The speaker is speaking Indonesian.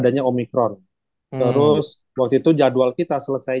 naseke pengen lagi lagi